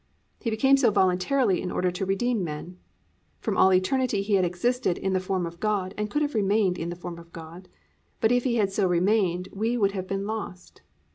He became so voluntarily in order to redeem men. From all eternity He had existed "in the form of God" and could have remained "in the form of God," but if He had so remained, we would have been lost.